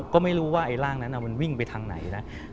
ก็ไม่รู้ว่าไอ้ร่างนั้นมันวิ่งไปทางไหนนะ